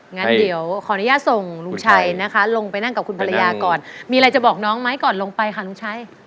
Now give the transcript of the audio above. งั้นเดี๋ยวขออนุญาตส่งลุงชัยนะคะลงไปนั่งกับคุณภรรยาก่อนมีอะไรจะบอกน้องไหมก่อนลงไปค่ะลุงชัย